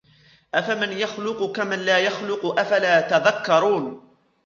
أَفَمَنْ يَخْلُقُ كَمَنْ لَا يَخْلُقُ أَفَلَا تَذَكَّرُونَ